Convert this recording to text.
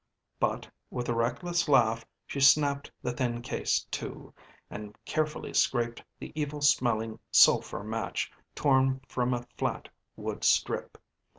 But with a reckless laugh she snapped the thin case to, and carefully scraped the evil smelling sulphur match torn from a flat wood strip.